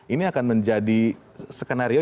ini akan menjadi skenario